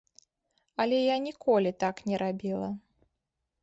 Але я ніколі так не рабіла.